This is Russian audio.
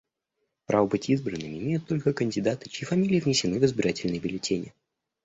Право быть избранными имеют только кандидаты, чьи фамилии внесены в избирательные бюллетени.